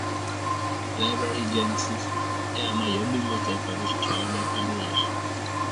Library genesis é a maior biblioteca virtual da atualidade